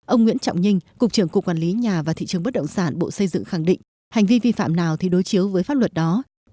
ông nguyễn trọng ninh cục trưởng cục quản lý nhà và thị trường bất động sản bộ xây dựng khẳng định hành vi vi phạm nào thì đối chiếu với pháp luật đó